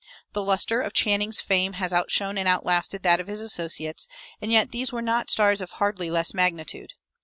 The luster of Channing's fame has outshone and outlasted that of his associates; and yet these were stars of hardly less magnitude.